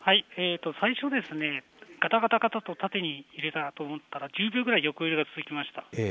最初ですね、がたがたがたと縦に揺れたと思ったら、１０秒ぐらい横揺れが続きました。